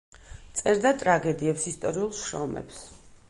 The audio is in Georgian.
წერდა ტრაგედიებს, ისტორიულ შრომებს.